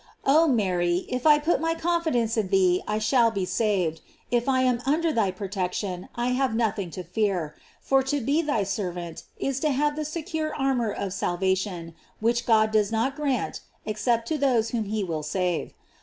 Oh Mary, if I put my confidence in thee I shall be saved; if I am under thy protection I have nothing to fear, for to be thy servant is to have the secure armor of salvation, which God does not grant except to those whom he will save.